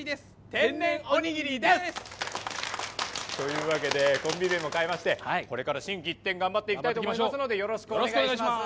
天然おにぎりです！というわけでコンビ名も変えましてこれから心機一転頑張っていきたいと思いますのでよろしくお願いします。